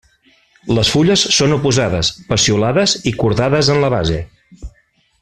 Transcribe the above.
Les fulles són oposades, peciolades i cordades en la base.